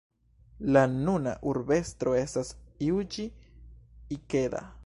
La nuna urbestro estas Juĝi Ikeda.